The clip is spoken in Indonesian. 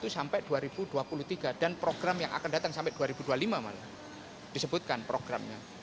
satu sampai dua ribu dua puluh tiga dan program yang akan datang sampai dua ribu dua puluh lima malah disebutkan programnya